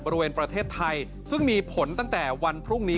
บริเวณประเทศไทยซึ่งมีผลตั้งแต่วันพรุ่งนี้